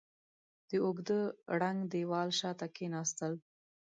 د اوږده ړنګ دېوال شاته کېناستل.